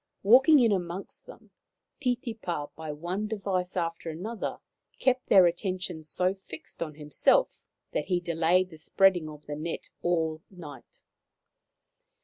Walking in amongst them, Titipa, by one device after another, kept their attention so fixed on himself that he delayed the spreading of the net all night.